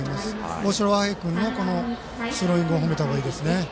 大城和平君のスローイングを褒めた方がいいですね。